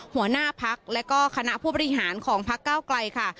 หัวหน้าพักและก็คณะผู้บริหารของพักเก้าไกลค่ะ